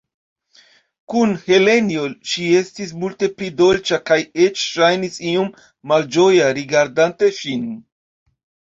Kun Helenjo, ŝi estis multe pli dolĉa kaj eĉ ŝajnis iom malĝoja rigardante ŝin.